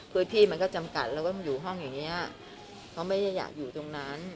พื้นที่มันก็จำกัดแล้วก็อยู่ห้องอย่างนี้เขาไม่ได้อยากอยู่ตรงนั้น